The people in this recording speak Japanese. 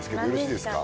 何ですか？